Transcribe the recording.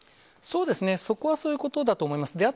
そうですね、そこはそういうことだと思います。